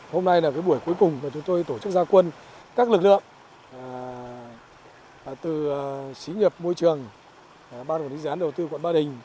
hôm nay là buổi cuối cùng chúng tôi tổ chức gia quân các lực lượng từ xí nhập môi trường ban quản lý gián đầu tư quận ba đình